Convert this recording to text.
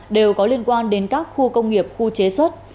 đều có liên quan đến các khu công nghiệp khu chế xuất